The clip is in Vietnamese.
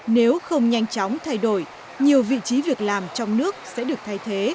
nếu không nhanh chóng thay đổi nhiều vị trí việc làm trong nước sẽ được thay thế